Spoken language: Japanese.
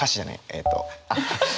えっと。